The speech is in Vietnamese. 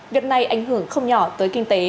việc này ảnh hưởng không nhỏ tới kinh tế